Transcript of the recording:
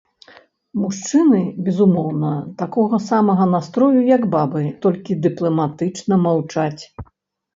Мужчыны, безумоўна, такога самага настрою, як бабы, толькі дыпламатычна маўчаць.